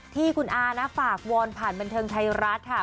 ที่คุณอานะฝากวอนผ่านบันเทิงไทยรัฐค่ะ